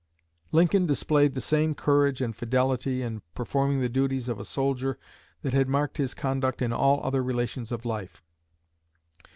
Lincoln displayed the same courage and fidelity in performing the duties of a soldier that had marked his conduct in all other relations of life.